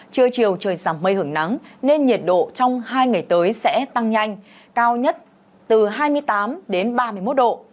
trưa chiều trời giảm mây hưởng nắng nên nhiệt độ trong hai ngày tới sẽ tăng nhanh cao nhất từ hai mươi tám đến ba mươi một độ